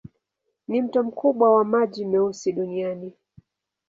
Ni mto mkubwa wa maji meusi duniani.